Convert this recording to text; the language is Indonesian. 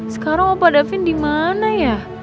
sekarang opa davin dimana ya